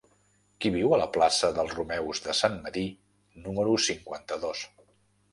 Qui viu a la plaça dels Romeus de Sant Medir número cinquanta-dos?